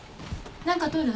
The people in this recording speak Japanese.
何かとる？